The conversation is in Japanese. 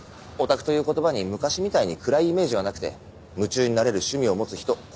オタクという言葉に昔みたいに暗いイメージはなくて夢中になれる趣味を持つ人